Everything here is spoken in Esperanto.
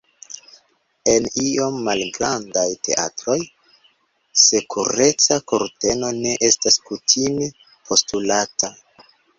En iom malgrandaj teatroj, sekureca kurteno ne estas kutime postulata.